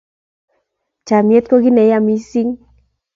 chamyet ko kiy ne ya missing